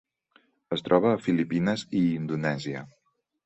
Es troba a Filipines i Indonèsia.